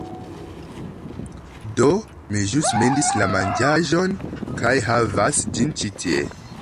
Do mi ĵus mendis la manĝaĵon, kaj havas ĝin ĉi tie...